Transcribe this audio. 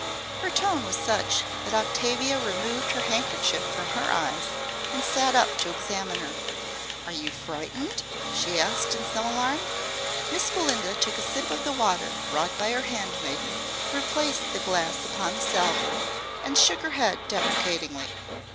Her tone was such that Octavia removed her handkerchief from her eyes, and sat up to examine her. "Are you frightened?" she asked, in some alarm. Miss Belinda took a sip of the water brought by her handmaiden, replaced the glass upon the salver, and shook her head deprecatingly.